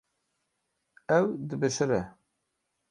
Ew dibişire.